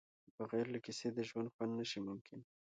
بغیر له کیسې د ژوند خوند نشي ممکن.